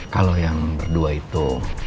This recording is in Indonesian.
kalo yang berdua itu